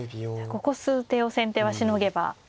ここ数手を先手はしのげば。